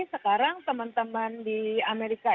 sekarang teman teman di amerika